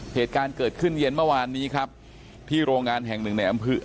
เหตุการณ์เกิดขึ้นเย็นเมื่อวานนี้ครับที่โรงงานแห่งหนึ่งในอำเภอ